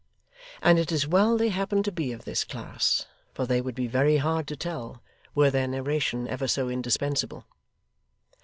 And it is well they happened to be of this class, for they would be very hard to tell, were their narration ever so indispensable.